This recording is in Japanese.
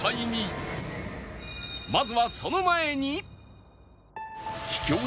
まずはその前に